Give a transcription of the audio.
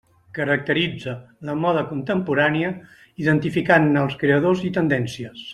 Caracteritza la moda contemporània identificant-ne els creadors i tendències.